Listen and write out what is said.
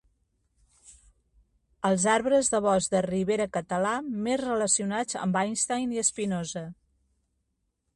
Els arbres de bosc de ribera català més relacionats amb Einstein i Espinosa.